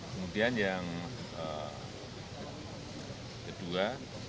kemudian yang kedua